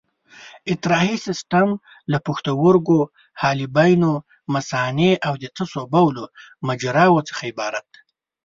اطراحي سیستم له پښتورګو، حالبینو، مثانې او د تشو بولو مجراوو څخه عبارت دی.